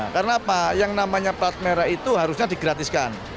karena apa yang namanya plat merah itu harusnya digratiskan